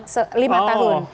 sama lima tahun